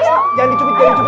jangan dicukup jangan dicukup